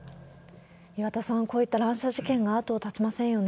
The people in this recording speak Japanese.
岩田さん、こういった乱射事件が後を絶ちませんよね。